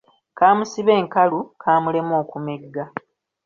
Kaamusiba enkalu, kaamulema okumegga.